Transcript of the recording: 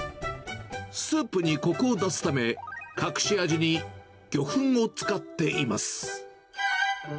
スープにこくを出すため、隠し味に魚粉を使っています。